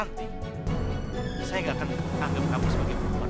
nanti saya gak akan anggap kamu sebagai perempuan